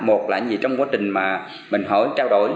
một là như trong quá trình mà mình hỏi trao đổi